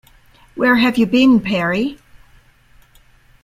Where have you been, Perry?